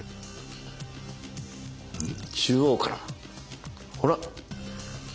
中央からほら！